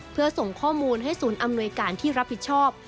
เพื่อส่งข้อมูลให้ศูนย์อำนวยการที่รับผิดชอบ